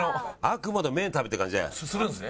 あくまでも麺食べてる感じで。